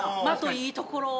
いいところを。